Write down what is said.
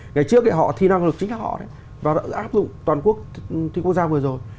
ngày trước thì họ thi năng lực chính là họ và đã áp dụng toàn quốc thi quốc gia vừa rồi